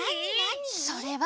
それは。